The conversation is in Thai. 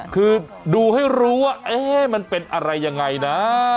คือดูให้รู้ว่ามันเป็นอะไรยังไงนะ